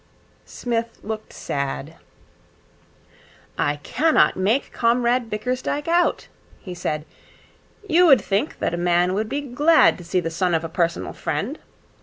Psmith looked sad. 'I cannot make Comrade Bickersdyke out,' he said. 'You would think that a man would be glad to see the son of a personal friend.